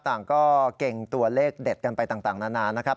ต่างก็เก่งตัวเลขเด็ดกันไปต่างนานานะครับ